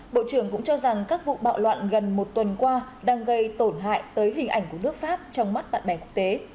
bộ trưởng cũng cho rằng các vụ bạo loạn gần một tuần qua đang gây tổn hại tới hình ảnh của nước pháp trong mắt bạn bè quốc tế